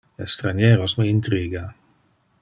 Estranieros me intriga.